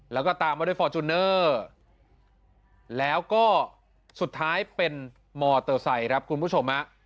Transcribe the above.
แล้วก็ตามมาด้วยฟอร์จูเนอร์แล้วก็สุดท้ายเป็นมอเตอร์ไซค์ครับคุณผู้ชมฮะ